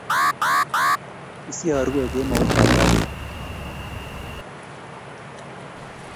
Isiarue kemout ap rani